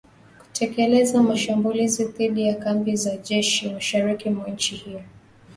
kutekeleza mashambulizi dhidi ya kambi za jeshi mashariki mwa nchi hiyo,